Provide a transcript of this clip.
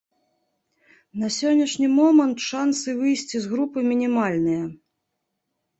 На сённяшні момант шансы выйсці з групы мінімальныя.